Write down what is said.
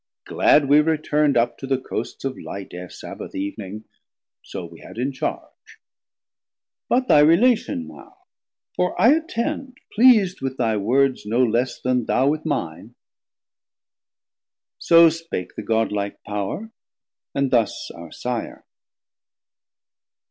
Glad we return'd up to the coasts of Light Ere Sabbath Eev'ning: so we had in charge. But thy relation now; for I attend, Pleas'd with thy words no less then thou with mine. So spake the Godlike Power, and thus our Sire.